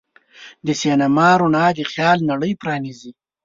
د سینما رڼا د خیال نړۍ پرانیزي.